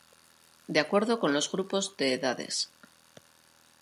De acuerdo con los grupos de edades.